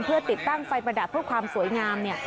เพื่อติดตั้งไฟประดับเพื่อความสวยงาม